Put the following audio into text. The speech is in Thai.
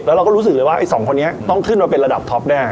เราก็รู้สึกเลยว่าไอ้สองคนนี้ต้องขึ้นมาเป็นระดับท็อปแน่